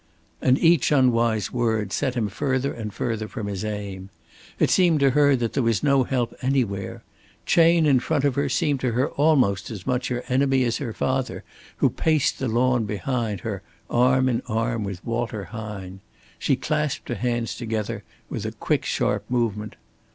And each unwise word set him further and further from his aim. It seemed to her that there was no help anywhere. Chayne in front of her seemed to her almost as much her enemy as her father, who paced the lawn behind her arm in arm with Walter Hine. She clasped her hands together with a quick sharp movement.